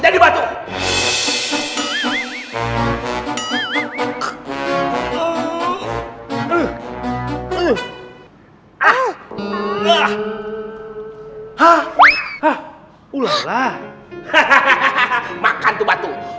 kita makan dulu